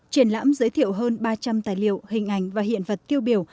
triển lãm giới thiệu hơn ba trăm linh tài liệu hình ảnh và hiện vật tiêu biểu